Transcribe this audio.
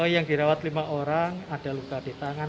yang dirawat lima orang ada luka di tangan